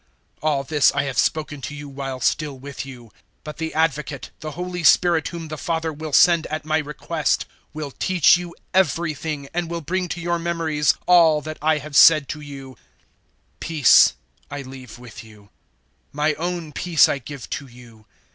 014:025 "All this I have spoken to you while still with you. 014:026 But the Advocate, the Holy Spirit whom the Father will send at my request, will teach you everything, and will bring to your memories all that I have said to you. 014:027 Peace I leave with you: my own peace I give to you.